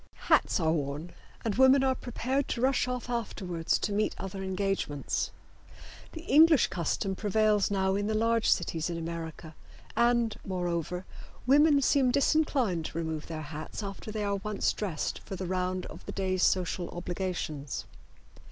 Hats are worn and women are prepared to rush off afterwards to meet other engagements. The English custom prevails now in the large cities in America, and, moreover, women seem disinclined to remove their hats after they are once dressed for the round of the day's social obligations.